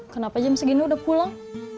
kenapa jam segini udah pulang